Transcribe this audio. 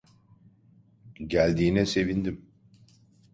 Geldiğine sevindim.